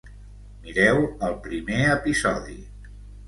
Mireu el primer episodi.